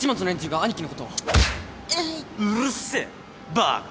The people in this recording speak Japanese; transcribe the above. バカ。